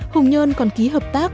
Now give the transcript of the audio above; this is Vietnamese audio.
hùng nhơn còn ký hợp tác